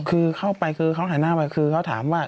คือเข้าไปคือเขาหันหน้าไปคือเขาถามว่า